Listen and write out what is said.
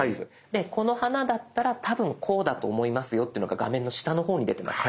でこの花だったら多分こうだと思いますよっていうのが画面の下の方に出てます。